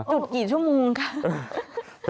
จุดกี่ชั่วโมงคะ